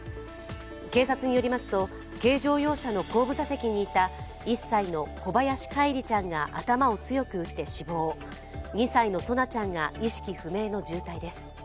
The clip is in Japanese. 警察によりますと、軽乗用車の後部座席にいた１歳の小林叶一里ちゃんが頭を強く打って死亡２歳の蒼菜ちゃんが、意識不明の重体です。